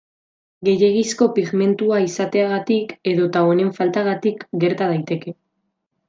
Gehiegizko pigmentua izateagatik edota honen faltagatik gerta daiteke.